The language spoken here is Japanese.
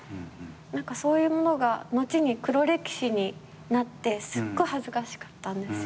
何かそういうものが後に黒歴史になってすっごい恥ずかしかったんですよ。